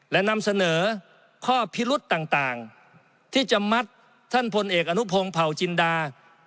และนำเสนอข้อพิรุษต่างที่จะมัดท่านพลเอกอนุพงศ์เผาจินดา